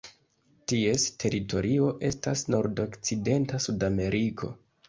Ties teritorio estas nordokcidenta Sudameriko.